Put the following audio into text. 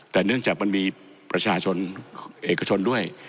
แต่เนื่องจากมันมีประชาชนเอกชนด้วย